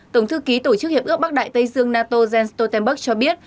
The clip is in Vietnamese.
tổng thư ký tổ chức hiệp ước bắc đại tây dương nato jens stoltenberg cho biết